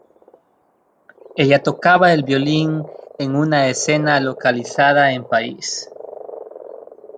Ella tocaba el violín en una escena localizada en París.